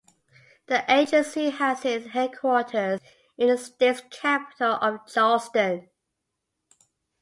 The agency has its headquarters in the state's capital of Charleston.